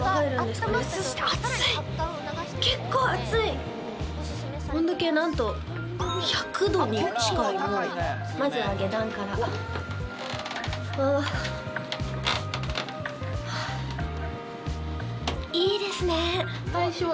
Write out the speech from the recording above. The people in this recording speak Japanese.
そして温度計なんと１００度に近いもうまずは下段からいいですね